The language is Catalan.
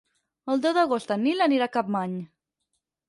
El deu d'agost en Nil anirà a Capmany.